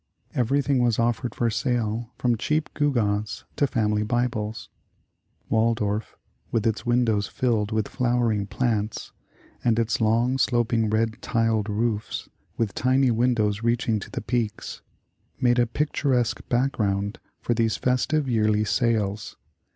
Everything was offered for sale from cheap gewgaws to family Bibles. Waldorf, with its windows filled with flowering plants, and its lon^^, sloping, red tiled roofs, with tiny windows reaching to the peaks, made a picturesque background for these festive yearly sales.